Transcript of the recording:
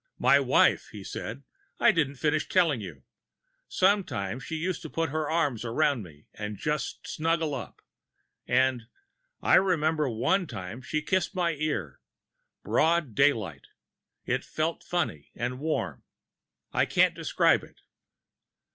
"My wife," he said, "I didn't finish telling you. Sometimes she used to put her arm around me and just snuggle up and I remember one time she kissed my ear. Broad daylight. It felt funny and warm I can't describe it."